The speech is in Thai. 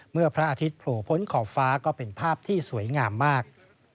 พระอาทิตย์โผล่พ้นขอบฟ้าก็เป็นภาพที่สวยงามมาก